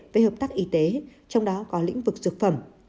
về hợp tác y tế trong đó có lĩnh vực dược phẩm